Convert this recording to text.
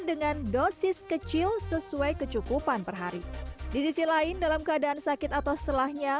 dengan dosis kecil sesuai kecukupan per hari di sisi lain dalam keadaan sakit atau setelahnya